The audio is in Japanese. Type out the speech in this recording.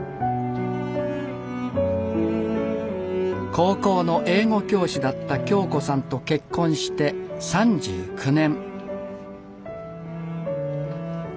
高校の英語教師だった恭子さんと結婚して３９年。